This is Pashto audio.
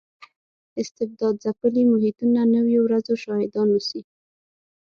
استبداد ځپلي محیطونه نویو ورځو شاهدان اوسي.